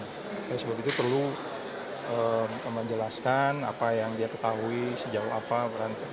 oleh sebab itu perlu menjelaskan apa yang dia ketahui sejauh apa berantem